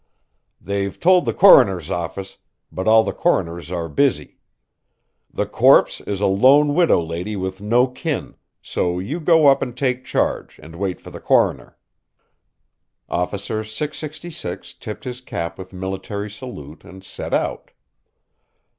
They've told the Coroner's Office, but all the Coroners are busy. The corpse is a lone widow lady with no kin, so you go up and take charge and wait for the Coroner." Officer 666 tipped his cap with military salute and set out.